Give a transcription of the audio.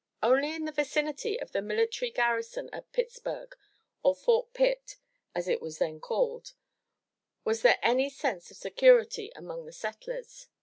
Only in the vicinity of the military garrison at Pittsburg, or Fort Pitt as it was then called, was there any sense of security among the settlers.